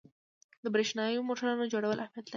د برېښنايي موټورونو جوړول اهمیت لري.